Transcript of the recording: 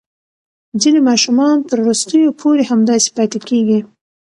ځینې ماشومان تر وروستیو پورې همداسې پاتې کېږي.